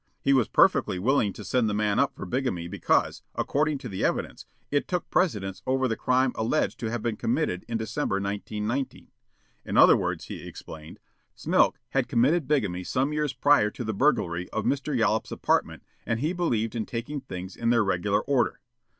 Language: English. He was perfectly willing to send the man up for bigamy because, according to the evidence, it took precedence over the crime alleged to have been committed in December, 1919. In other words, he explained, Smilk had committed bigamy some years prior to the burglary of Mr. Yollop's apartment and he believed in taking things in their regular order.